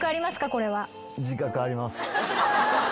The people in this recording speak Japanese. これは。